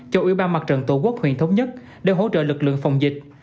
cho ủy ban mặt trận tổ quốc huyện thống nhất để hỗ trợ lực lượng phòng dịch